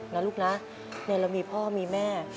นะลูกนะเรามีพ่อมีแม่